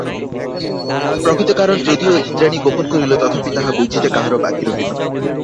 প্রকৃত কারণ যদিও ইন্দ্রাণী গোপন করিল তথাপি তাহা বুঝিতে কাহারো বাকি রহিল না।